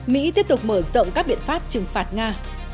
mỹ tiếp tục mở rộng các biện pháp trừng phạt nga